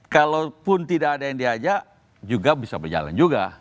kalaupun tidak ada yang diajak juga bisa berjalan juga